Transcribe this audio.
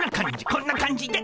こんな感じで。